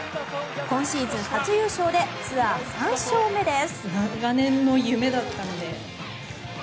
今シーズン初優勝でツアー３勝目です。